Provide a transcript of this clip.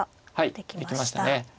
できましたね。